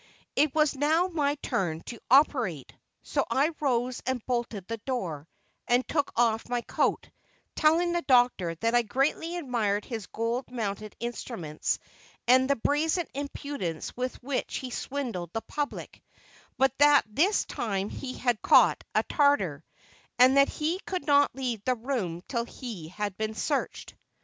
It was now my turn, to "operate," so I rose and bolted the door and took off my coat, telling the "doctor" that I greatly admired his gold mounted instruments and the brazen impudence with which he swindled the public, but that this time he had "caught a Tartar," and that he could not leave the room till he had been searched.